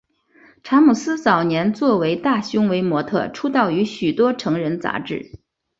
查姆斯早年作为大胸围模特出道于许多成人杂志。